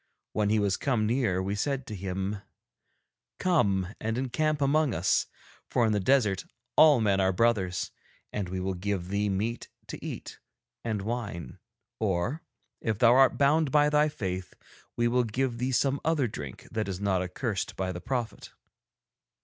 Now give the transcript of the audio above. When he was come near we said to him: 'Come and encamp among us, for in the desert all men are brothers, and we will give thee meat to eat and wine, or, if thou art bound by thy faith, we will give thee some other drink that is not accursed by the prophet.'